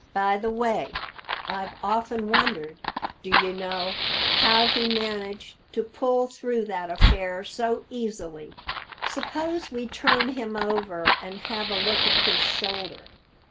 By the way, I've often wondered, do you know, how he managed to pull through that affair so easily. Suppose we turn him over and have a look at his shoulder?"